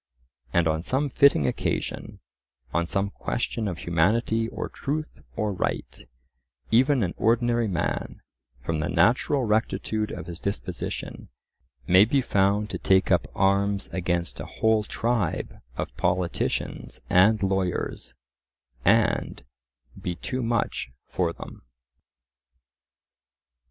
And on some fitting occasion, on some question of humanity or truth or right, even an ordinary man, from the natural rectitude of his disposition, may be found to take up arms against a whole tribe of politicians and lawyers, and be too much for them.